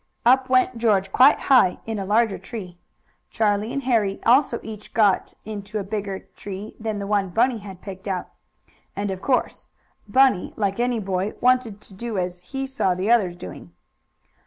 Up went George, quite high, in a larger tree. Charlie and Harry also each got into a bigger tree than the one Bunny had picked out. And of course Bunny, like any boy, wanted to do as he saw the others doing.